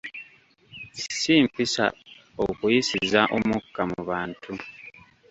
Si mpisa okuyisiza omukka mu bantu.